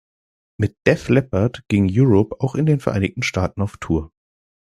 Mit Def Leppard gingen Europe auch in den Vereinigten Staaten auf Tour.